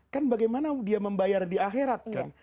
kan bagaimana dia membayar di akhirat kan